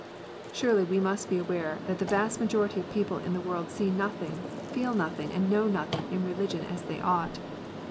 Surely we must be aware that the vast majority of people in the world see nothing, feel nothing, and know nothing in religion as they ought.